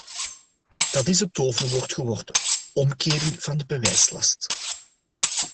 Dat is het toverwoord geworden: omkering van de bewijslast.